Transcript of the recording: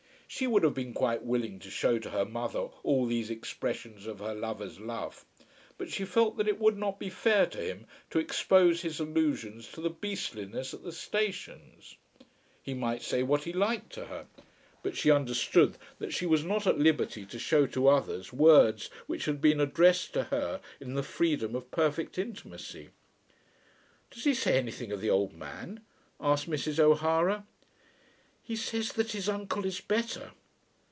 She would have been quite willing to shew to her mother all these expressions of her lover's love; but she felt that it would not be fair to him to expose his allusions to the "beastliness" at the stations. He might say what he liked to her; but she understood that she was not at liberty to shew to others words which had been addressed to her in the freedom of perfect intimacy. "Does he say anything of the old man?" asked Mrs. O'Hara. "He says that his uncle is better."